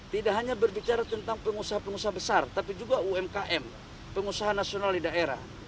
tidak hanya berbicara tentang pengusaha pengusaha besar tapi juga umkm pengusaha nasional di daerah